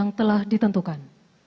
yang telah ditentukan